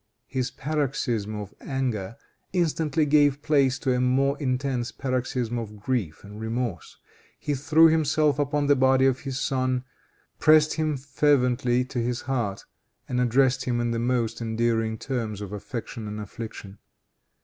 His paroxysm of anger instantly gave place to a more intense paroxysm of grief and remorse. He threw himself upon the body of his son, pressed him fervently to his heart, and addressed him in the most endearing terms of affection and affliction.